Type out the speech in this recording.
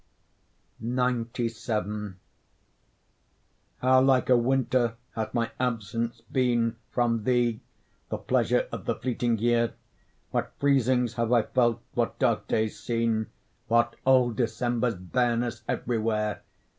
XCVII How like a winter hath my absence been From thee, the pleasure of the fleeting year! What freezings have I felt, what dark days seen! What old December's bareness everywhere!